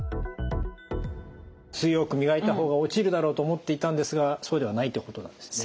強く磨いた方が落ちるだろうと思っていたんですがそうではないってことなんですね。